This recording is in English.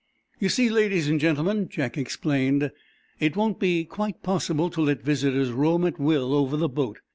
"You see, ladies and gentlemen," Jack explained, "it won't be quite possible to let visitors roam at will over the boat.